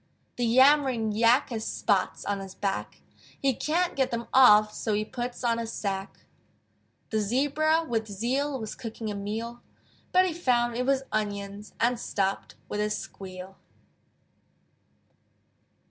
The Yammering Yak Has spots on his back: He can't get them off, So he puts on a sacque. The Zebra with zeal Was cooking a meal: But he found it was onions And stopped with a squeal.